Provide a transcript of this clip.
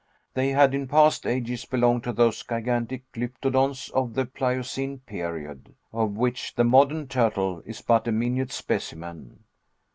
They had in past ages belonged to those gigantic Glyptodons of the Pliocene period, of which the modern turtle is but a minute specimen.